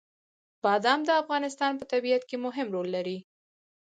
بادام د افغانستان په طبیعت کې مهم رول لري.